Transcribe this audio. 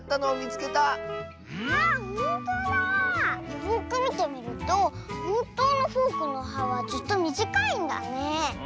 よくみてみるとほんとうのフォークの「は」はずっとみじかいんだねえ。